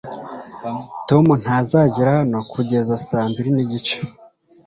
tom ntazagera hano kugeza saa mbiri n'igice